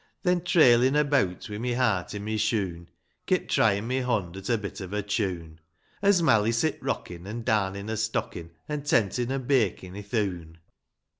Then, traihn' abeawt, \vi' my heart i' my shoon Kept tryin' my hond at a bit of a tune, As Mally sit rock in', An' darnin' a stockin', An' tentin'^ her bakin' i'th oon.